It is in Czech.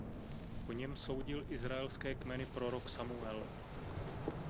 Po něm soudil izraelské kmeny prorok Samuel.